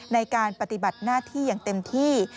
ในการปฏิบัติหน้าที่อย่างเต็มที่